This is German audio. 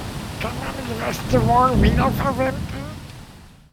Kann man die Reste morgen wiederverwenden?